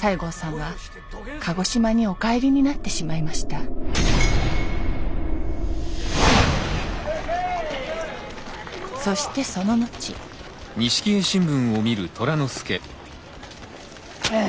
西郷さんは鹿児島にお帰りになってしまいましたそしてその後ああ！